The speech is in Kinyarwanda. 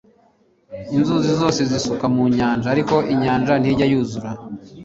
inzuzi zose zisuka mu nyanja, ariko inyanja ntijya yuzura